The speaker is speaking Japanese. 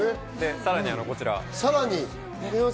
さらにこちら。